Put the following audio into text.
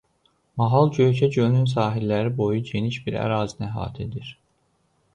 Mahal Göyçə gölünün sahilləri boyu geniş bir ərazini əhatə edir.